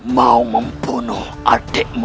mau membunuh adikmu